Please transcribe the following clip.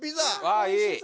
わあいい！